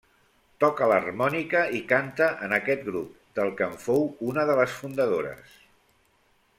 Toca l'harmònica i canta en aquest grup, del que en fou una de les fundadores.